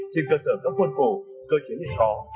trên cơ sở các quân cổ cơ chiến hình khó